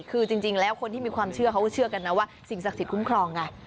คือจริงแล้วคนที่มีความเชื่อเขาก็เชื่อกันนะว่าสิ่งศักดิ์สิทธิคุ้มครองไง